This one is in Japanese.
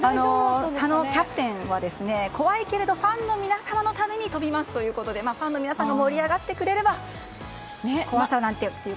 佐野キャプテンは怖いけれどもファンの皆さんのために飛びますということでファンの皆さんが盛り上がってくれれば怖さなんて、という。